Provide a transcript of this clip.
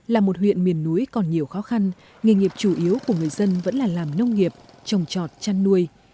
là một huyện miền núi còn nhiều khó khăn nghề nghiệp chủ yếu của người dân vẫn là làm nông nghiệp trồng trọt chăn nuôi